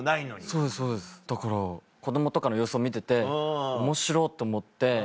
そうですそうですだから子供とかの様子を見てておもしろっと思って。